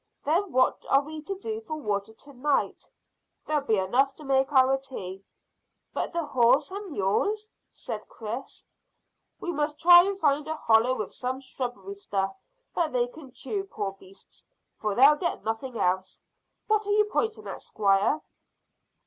"Then what are we to do for water to night?" "There'll be enough to make our tea." "But the horses and mules?" said Chris. "We must try and find a hollow with some shrubby stuff that they can chew, poor beasts, for they'll get nothing else. What are you pointing at, squire?"